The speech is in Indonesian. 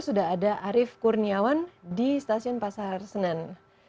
sudah ada arief kurniawan di stasiun pasar senen